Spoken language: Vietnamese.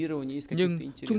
nhưng chúng tôi biết rằng